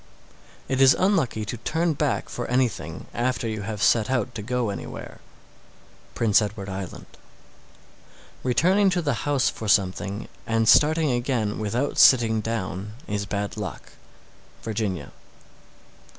656. It is unlucky to turn back for anything after you have set out to go anywhere. Prince Edward Island. 657. Returning to the house for something and starting again without sitting down is bad luck. _Virginia.